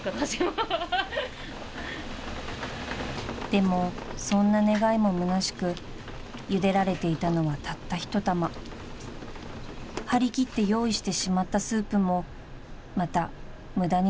［でもそんな願いもむなしくゆでられていたのはたった１玉］［張りきって用意してしまったスープもまた無駄になりそうです］